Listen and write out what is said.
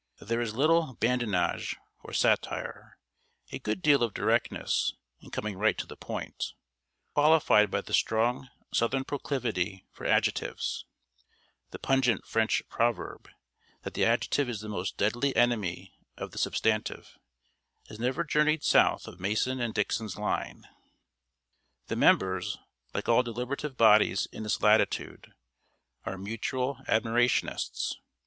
There is little badinage or satire, a good deal of directness and coming right to the point, qualified by the strong southern proclivity for adjectives. The pungent French proverb, that the adjective is the most deadly enemy of the substantive, has never journeyed south of Mason & Dixon's line. The members, like all deliberative bodies in this latitude, are mutual admirationists.